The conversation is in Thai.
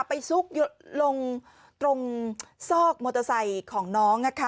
ซุกลงตรงซอกมอเตอร์ไซค์ของน้อง